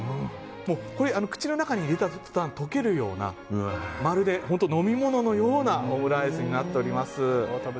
これ、口の中に入れた途端溶けるようなまるで本当に飲み物のようなオムライスになっております。